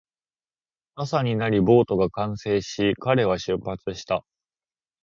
朝になり、ボートが完成し、彼は出発した